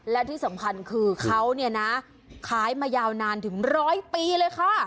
และที่สำคัญคือเขาเนี่ยนะขายมายาวนานถึงร้อยปีเลยค่ะ